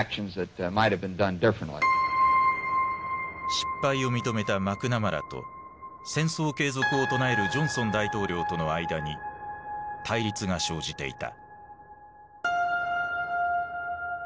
失敗を認めたマクナマラと戦争継続を唱えるジョンソン大統領との間に対立が生じていた。